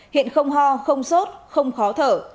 hiện không ho không sốt không khó thở